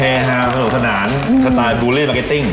แฮนาสนุกสนานสไตล์บูลลี่มากเกตติ้ง